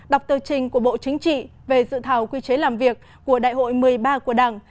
đọc tờ trình của bộ chính trị về dự thảo quy chế làm việc của đại hội một mươi ba của đảng